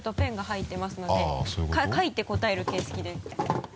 書いて答える形式で。